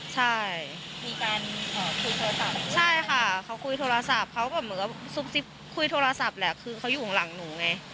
ใช่ใช่ค่ะเขาคุยโทรศัพท์เขาแบบเหมือนกับคุยโทรศัพท์แหละคือเขาอยู่ข้างหลังหนูไง